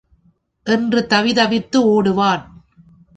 என்று தவிதவித்து ஒடுவான்.